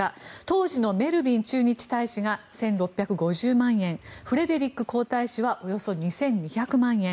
当時のメルビン駐日大使が１６５０万円フレデリック皇太子はおよそ２２００万円